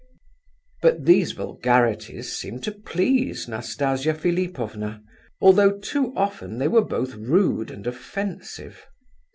But these vulgarities seemed to please Nastasia Philipovna, although too often they were both rude and offensive.